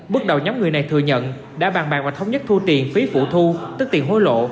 bước đầu nhóm người này thừa nhận đã bàn bạc và thống nhất thu tiền phí phụ thu tức tiền hối lộ